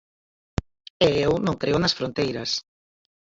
E eu non creo nas fronteiras.